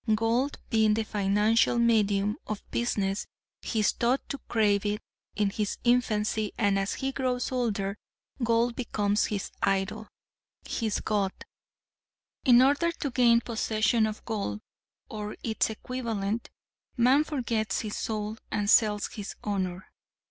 Gold being the financial medium of business he is taught to crave it in his infancy and as he grows older gold becomes his idol his God. In order to gain possession of gold or its equivalent man forgets his soul and sells his honor.